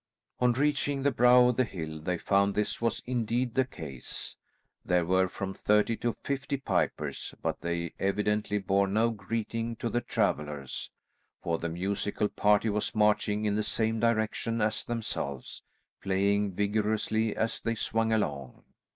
On reaching the brow of the hill they found this was indeed the case. There were from thirty to fifty pipers, but they evidently bore no greeting to the travellers, for the musical party was marching in the same direction as themselves, playing vigorously as they swung along.